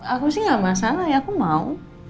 aku sih gak masalah ya aku mau